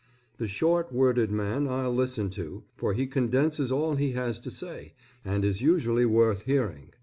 The short worded man I'll listen to, for he condenses all he has to say, and is usually worth hearing.